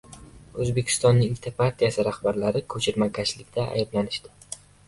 O‘zbekistonning ikki partiyasi rahbarlari ko‘chirmakashlikda ayblanishdi